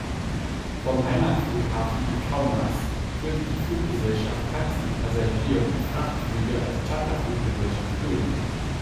Vom Heimatflughafen in Kaunas führte die Fluggesellschaft Taxi-, Passagier- und Frachtflüge als Charterfluggesellschaft durch.